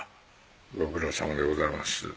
ご苦労さまでございます